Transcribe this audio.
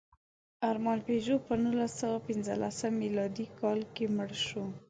ارمان پيژو په نولسسوهپینځلسم مېلادي کال کې مړ شو.